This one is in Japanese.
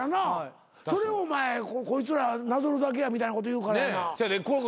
それをお前こいつらなぞるだけやみたいなこと言うからやな。